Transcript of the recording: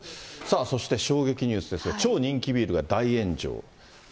そして衝撃ニュースですが、超人気ビールが大炎上。